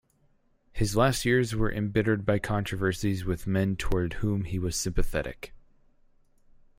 His last years were embittered by controversies with men toward whom he was sympathetic.